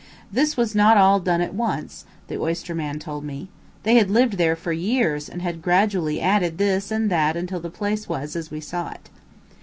This was not all done at once, the oyster man told me. They had lived there for years and had gradually added this and that until the place was as we saw it.